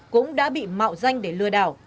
cũng đã bị mạo danh để lừa đảo